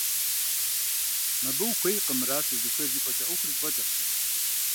Мобы ухуейкъым, мыращ узыхуейр жыпӏэкӏэ ӏуэхур зэфӏэкӏыркъым.